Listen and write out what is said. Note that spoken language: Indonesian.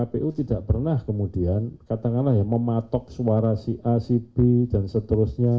kpu tidak pernah kemudian katakanlah ya mematok suara si a si b dan seterusnya